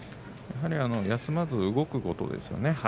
やはり、休まずに動くことですよね。